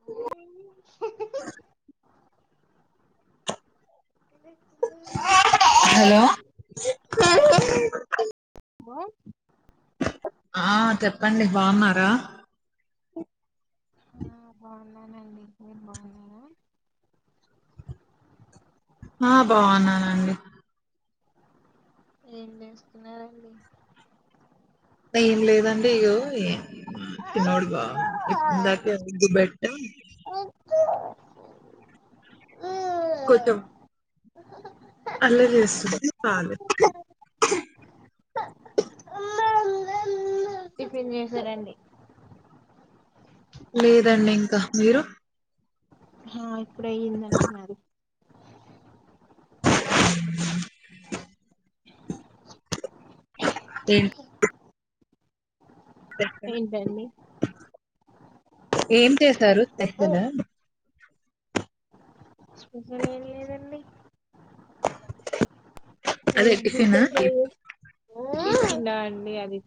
ఆ హలో బ ఆ చెప్పండి బాగున్నారా ఆ బన్న అ మీరు బావున్నారా ఆ బాగున్నానండి ఏం చేస్తున్నారండి ఏం లేదండి ఇగో తినోడు బా ఇందాకబెట్ కొత్తం అల్లరి చేస్తుంది ఆమె టిఫిన్ చేసారండి లేదండి ఇంక మీరు హమ్ ఇప్పుడ అయ్యిందండి మాది ఆ ఏ ఏంటండి ఏం చేసరు [unintelligible] స్పెషల్ ఏం లేదండి అదే టిఫిన్ ద్భుతంగ తిన అండి అది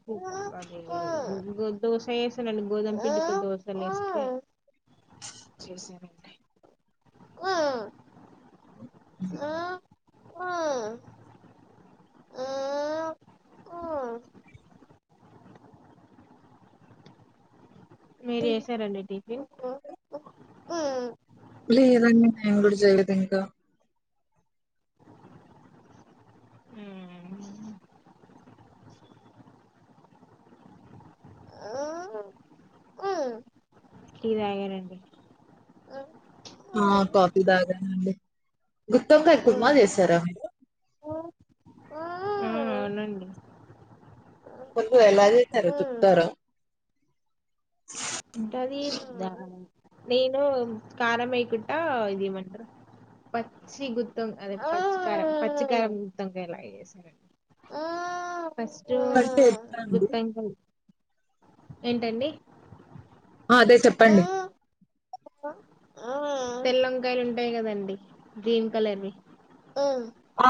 అది దోస వేసానండి గోధుమ పిండి దోశ వేసను చేశానండీ అ ఆ ఆ మీరు వసారండింటి లేదండి నేను కూడా చేయలేదు ఇంకా ఉ ఇలీదాగనండి ఆ కాఫీ దాగనండి గుప్త్తంగా ఎక్ కుమాలు చేసారా అవునండి కొరు ఎలా చేశారు చూప్తారు అంటే అది నేను కారం అయికుట్టా ఇదిమంటారు పచ్చి గుత్తం అదే పచ్చికారం పచ్చి కారం గుత్తంకా ఇలాసారం ఫస్ట్ అంటే ఎట్లా అండి గుత్ బెంగాల్ ఏంటండి అదే చెప్పండి తెల్లంకాయలు ఉంటాయి కదండి గ్రీన్ కలర్వి ఆ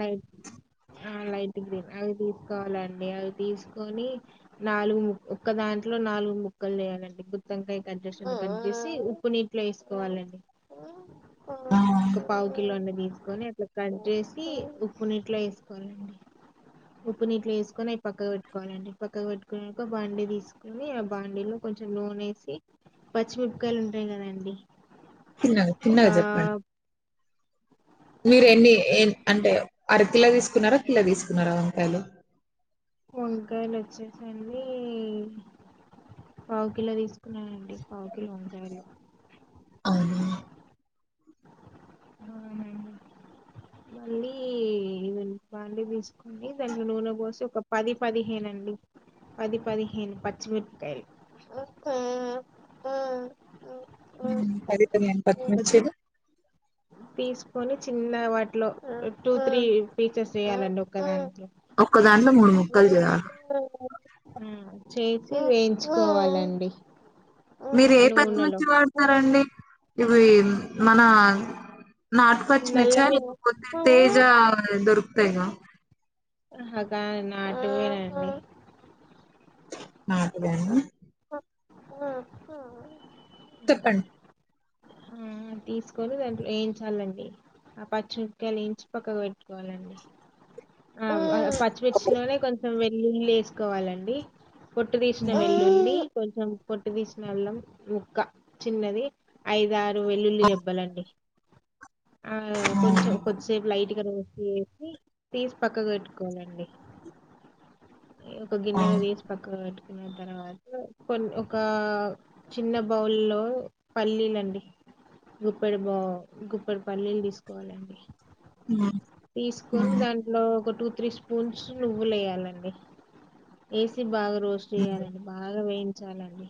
లైట్ ఆ ైట్కిీ అవి తీసుకోవాలండి అవి తీసుకొని నాలుగు ము ఒక్క దాంట్లో నాలుగు ముక్కలు వేయాలండి గుత్తంకాయ కజెషన్ కట్టేసి ఉప్పు నీట్లో వేసుకోవాలండి ఆ ఆ. ఒక పావు కిలో అన్నదిీ తీసుకొని అట్లా కంట్రే ఉప్పు నీట్లో వేసుకోవాలండి ఉప్పు నీట్లో వేసుకొని అవి పక్కకు పెట్టుకోవాలండి పక్క పెట్టుకునిక బాండీ తీసుకని ఆ బాండీలో కొంచెం లోూన వేసి పచ్చిమిపకాయలు ఉంటాయి కదండి ఒక తిన్నగా-తిన్నగా చెప్పండి మీరు ఎన్ని ఏ అంటే అరకిలో తీసుకున్నారా కిలో తీసుకున్నారా వంకాయలు వంకాయలు వచ్చేసండి పావు కిలో తీసుకున్నానండి పావుకిలో వంకాయలు అవునా మళ్ళీ బాండి తీసుకొని దాంట్లో నూనె పోసి ఒక పది పదిహేనండి పది పదిహేను పచ్చిమిరపకాయలు పది పదిహేను పచిమిర్చిలు తీసుకొని చిన్న వాటిలో టూ త్రీ పీసెస్ చెయ్యాలండి ఒకదాని ఒక్క దాంట్లో మూడు ముక్కలు చేయాల ఆ చేసి వేయించుకోవాలండి మీరు ఏ నూనెలో పచ్చిమిచ్చి వాడతారండి ఈ మన నాటుపచ్చిమిర్చ నల్ల మిర్ లేకపోతే తేజ దొరుకుతాయిగ అగా నాటువేనండి నాటువేనా చెప్పండి ఆ తీసుకొని దాంట్లో వేయించాలండి ఆ పచ్చిమిక్కయలు వేయించి పక్కకు పెట్టుకోవాలండి ఆ అ పచ్చిమిర్చి లోనే కొంచం కొంచెం వెల్లులేసుకోవాలండి పొట్టు తీసిన మ్మ్. వెల్లుల్లి కొంచెం పొట్టు తీసిన అల్లం ముక్క చిన్నది ఐదారు వెల్లుల్లి ఆ, రెబ్బలండి ఆ కొంచెం కొద్దిసేపు లైట్గా ను ఏపి తీసి పక్కగిపెట్టుకోవాలండి ఒక ఆ, గిన్నెలో తీసి పక్కకిపెట్టి న్న తర్వాత కొన్ని ఒక చిన్న బౌల్లో పల్లీలండి గుప్పెడు బౌ గుప్పెడు పల్లీలు తీసుకోవాలండి మ్మ్, తీసుకొని మ్మ్, దాన్ని ఒక టూ త్రీ స్పూన్స్ నువ్వులెయ్యాలండి యేసి బాగా రోస్ట్ చేయాలండి బాగా వేయి చాలండి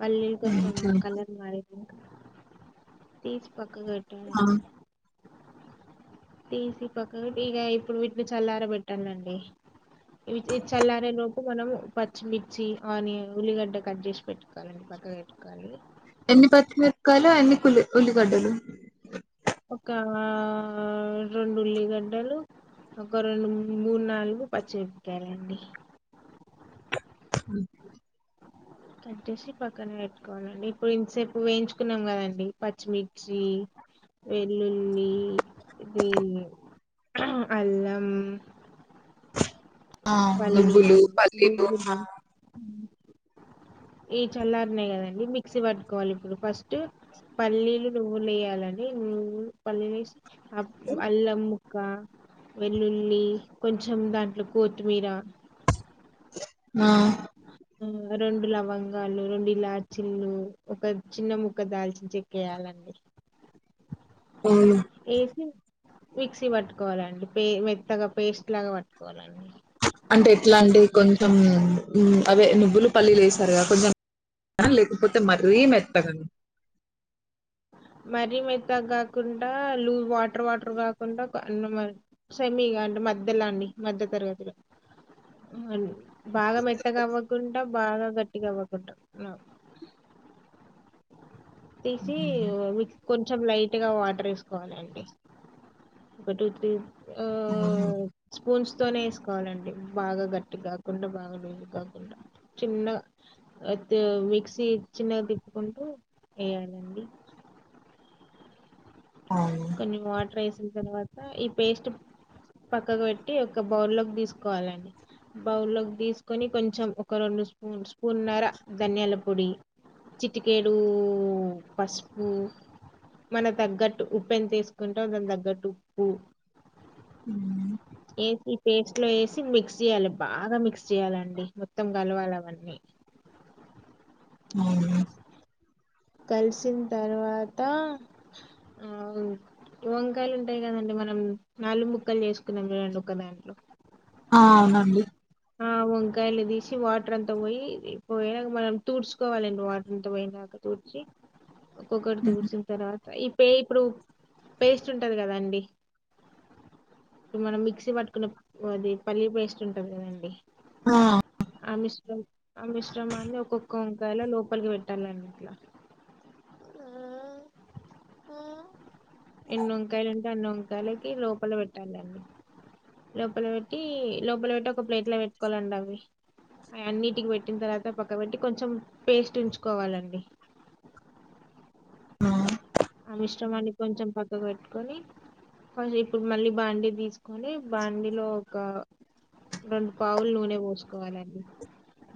పల్లీలు మ్మ్, కొంచం మ్మ్. కలర్ మారి తీస్కో [inaudible] ఆ. తీసి పక్కకి ఇప్పుడు వీటిని చల్లార పెట్టాలండి ఇ చల్లారెలోపు మనం పచ్చిమిర్చి ఆనియన్ ఉల్లిగడ్డ కట్ చేసి పెట్టుకోవాలండి పక్కకి పెట్టుకోవాలి ఎన్ని పచ్చిమిరపకాయిలు ఎన్ని కుల్లి ఉల్లి గడ్డలు ఒక ఆ రెండు ఉల్లిగడ్డలు ఒక రెండు మూడు నాలుగు పచ్చిమిరపకాయలాండి కే కట్టేసి పక్కనే పెట్టుకోవాలండి ఇప్పుడు ఇంతసేపు వేయించుకున్నాం కదండి పచ్చిమిర్చి వెల్లుల్లి ఇది అల్లం ఆ నువ్వులు పళీలు పల్లీలు ను్రు ఈ చల్లారనేయి కదండి మిక్సీ పట్టుకోవాలి ఇప్పుడు ఫస్ట్ పల్లీలు నువ్వులు వేయాలంని నువ్వులు పల్లీలు వే అబ్ అల్ల ము ఇ వెల్లుల్లి కొంచెం దాంట్లో కూ కుమీరా ఆ ఆ రెండు లవంగాలు రెండు ఇలాచీల్లు ఒక చిన్న ముక్క దాల్చిన చెక్కేయాలండి అవును ఏసీ మిక్సీ పట్టుకోవాలండి మెత్తగా పేస్ట్ లాగా పట్టుకోవాలండి అంటే ఎట్లా అంటే కొంచెం అవే నువ్వులు పల్లీలు వసారుగాద కొంచెం లేకపోతే మరీ మెత్తగ మరీ మెతాగ కాకుండా లూజ్ వాటర్ వాటర్ కాకుండా సెమీగా అంటే మధ్యలో అీ మధ్య తరగతిలో బాగా మెత్తగవ్వకుండా బాగా గట్గావాకుంట తీసి మ కొంచెం లైట్గా వాటర్ వేసుకోవాలండి ఒక టూ త్రీ ఆ స్పూన్స్ తోనే వేసుకోవాలండి బాగా గట్టి కాకుండా బాగా లూస్ కాకుండా చిన్నగా మిక్సీ చిన్నగ తి కుంటూ ఎయాలండి ఆ కొన్ని వాటర్ వేసిన తర్వాత ఈ పేస్ట్ పక్కకు పెట్టి ఒక బౌల్లోకి తీసుకోవాలండి. బౌల్లోకి తీసుకొని కొంచెం ఒక రెండు స్పూన్ స్పూన్నర ధనియాల పొడి చిటికేడు పసుపు మన తగ్గట్టు ఉప్పెంతేస్కుంటావ్ దాని దగ్గట్టుప్పు ఉమ్ పేస్ట్లో వేసి మిక్స్ చేయాలె బాగా మిక్స్ చేయ్యాలండి మొత్తం కలవాల అవన్నీ [unintelligible] కలిసిన్ తర్వాత వంకాయలు ఉంటాయి కదండి మనం నలు ముక్కలు చేసుకున్నాం చూడండి ఒక దాంట్లో ఆ అవునండి ఆ వంకాయలు తీసి వాటర్ అంతా పోయి పోయ మనం తూడ్స్ కోవాలండి వాటరంత పోయేదాక తూడ్చి ఒక్కొక్కటి తూడ్చిన తర్వాత ఇ పే ఇప్పుడు పేస్ట్ ఉంటది కదండి ఇప్పుడు. మనం మిక్సీ పట్టుకున్న అది పల్లీ పేస్ట్ ఉంటది కదండ్ ఆ ఆ మిశ్రం ఆ మిశ్రమాన్ని ఒక్కొక్క కాలో లోపలికి పెట్టాలన్నట్లా ఎన్ని వంకాయలు ఉంటే అన్ని వంకాయలకి లోపల పెట్టాలండి. లోపల పెట్టి లోపల పెట్టి ఒక ప్లేట్ల పెట్టుకోవాలండి అవి అయన్నిటికి పెట్టిన తర్వాత పక్కకు పెట్టి కొంచెం పేస్ట్ ఉంచుకోవాలండి ఆ ఆ మిశ్రమాన్ని కొంచెం పక్కకు పెట్టుకొని, కొంచెం ఇప్పుడు మళ్ళీ బాండి తీసుకొని బాండిలో ఒక రెండు పావులు నూనె పోసుకోవాలండి.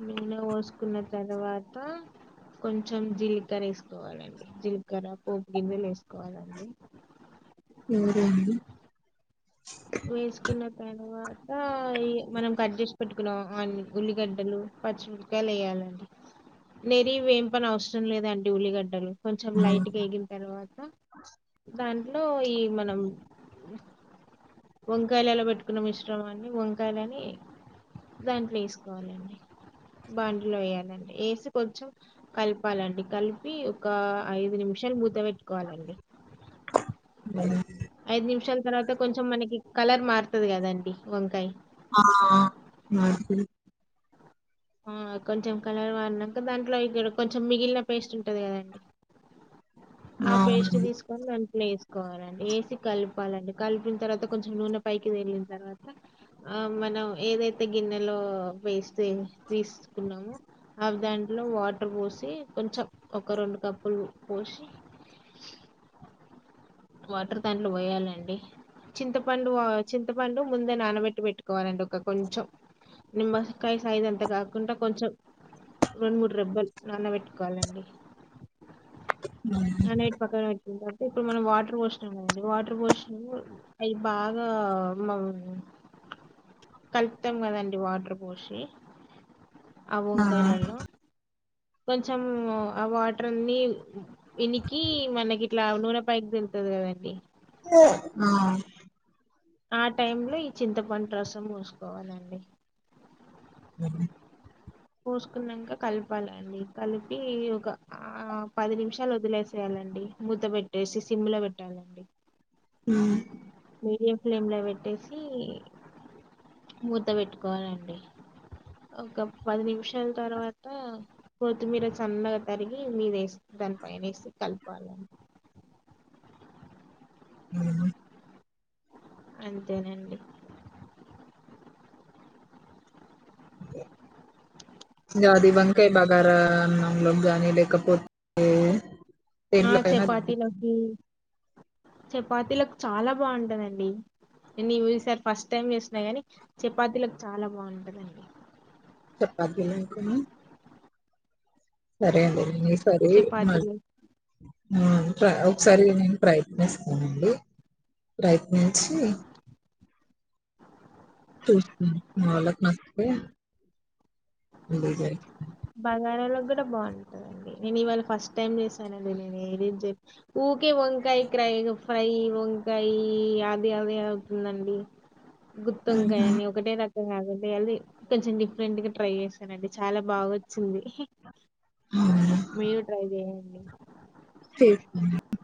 నూనె పోసుకున్న తర్వాత కొంచెం జీలకర్ర వేసుకోవాలండి జీలకర్ర. ఓ గిన్నెలేసుకోవాలండి ఎవరో అండి వేసుకున్న తరవాత మనం కట్ చేసి పెట్టుకున్నా ఉల్లిగడ్డలు పచ్చిమిరకాయలు వేయాలండి నెరీ వేంపనవసరం లేదండి ఉల్లిగడ్డలు కొంచెం హ్మ్. లైట్గ ఏగిన తర్వాత దాంట్లో ఈ మనం వంకాయలలో పెట్టుకున్న మిశ్రమాన్ని వంకాయలని దాంట్లో వేసుకోవాలండి. బాండీలో వేయాలండి వేసి కొంచెం కలపాలండి కలిపి ఒక ఐదు నిమిషాలు ము త పెట్టుకోవాలండి ఐదు నిమిషాల తర్వాత కొంచెం మనకి కలర్ మారుతది కదండి వంకాయ్ ఆ ఆ కొంచెం కలర్ మారినంక దాంట్లో ఇక్కడ కొంచెం మిగిలిన పేస్ట్ ఉంటది కదండి ఆ పేస్ట్ అవునండి తీసుకొని దాన్ వేసుకోవాలండి వేసి కలపాలండి కలిపిన తర్వాత కొంచెం నూనె పైకి తేలిన తర్వాత ఆ మనం ఏదైతే గిన్నెలో వేస్తే తీసుకున్నాము అవి దాంట్లో వాటర్ పోసి కొంచెం ఒక రెండు కప్పులు పోసి వాటర్ దాంట్లో పోయాలండి చింతపండు చింతపండు ముందే నానబెట్టి పెట్టుకోవాలండి ఒక కొంచెం నిమ్మకాయ సైజ్ అంత కాకుండా కొంచెం రెండు మూడు రెబ్బలు నానబెట్టుకోవాలండి హ్మ్. ఆ నైట్ పక్కన పెట్ ఇప్పుడు మనం వాట్ టర్ పోషినంకదండీ వాటర్ పోషీ అయి బాగా మ కలుపుతాం కదండి వాటర్ పోషీ ఆ వంకాయలల్లో కొంచెం ఆ వాటర్ అన్ని ఇనికి మనకి ఇట్లా నూనెపైకి తేల్తది కదండి ఆ ఆ టైమ్ లో ఈ చింతపండు రసం పోసుకోవాలండి, అరి పోసుకున్నాక కలపాలండి. కలిపి ఒక ఆ పది నిమిషాలు వదిలేసేయాలండి మూత పెట్టేసి సిమ్లా పెట్టాలండి, ఉహు మీడియం ఫ్లేమ్ లో పెట్టేసి మూతా. పెట్టుకోవాలండి ఒక పది నిమిషాల తర్వాత కొత్తిమీర. సన్నగా తరిగి మీద వేసి దాని పైన వేసి కలపాలండి, హు అంతేనండి, గది వంకాయ బగారా అన్నంలోకి లేకపోతే, ఆ దేంట్లోకైనా తినొచ్చు చపాతీలోకి చపాతీలకు చాలా బాగుంటుందండి. నీవు ఈసారి ఫస్ట్ టైం చేసినా. కానీ చపాతీలకు చాలా బాగుంటుందండి, చపాతి లు అనుకోని, సరే అండి నేను ఈ సరి మ చపాతీలు ఒకసారి నేను ప్రయత్నిస్త, నండి ప్రయత్నించి, చూస్తా మా వాళ్లకు నచ్చితే మళ్లీ చేస్తా, బగారాలోకి కూడా బాగుంటందండి. నేను ఇవాళ ఫస్ట్ టైం చేశానండి. నేను ఏది ఊరికే వంకాయ క్రై ఫ్రై వంకాయ అది అది అవుతుందండి, ఊహు. గుత్తొంకాయని ఒకటే ర, దళ్ళీ కొంచెం డిఫరెంట్ గా ట్రై చేశానండి చాలా బాగావో, వచ్చింది, అవును మీరు ట్రై చేయండి, చేస్తానండి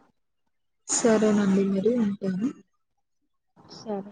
సరేనండి మరి ఉంటాను, సరే